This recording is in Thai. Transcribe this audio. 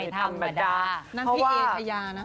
ธรรมดา